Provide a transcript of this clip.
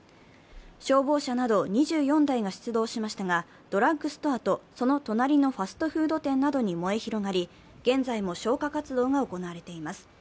消防車など２４台が出動しましたが、ドラッグストアとその隣のファストフード店などに燃え広がり現在も消火活動が行われています。